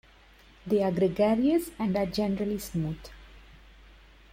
They are gregarious and are generally smooth.